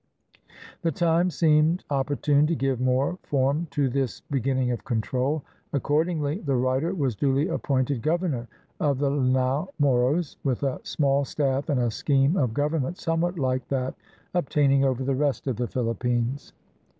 The time seemed oppor tune to give more form to this beginning of control. Accordingly the writer was duly appointed governor of the Lanao Moros, with a small staff, and a scheme of government somewhat Hke that obtaining over the rest of the Philippines.